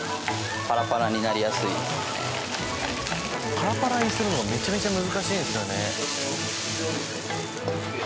パラパラにするのがめちゃめちゃ難しいんですよね。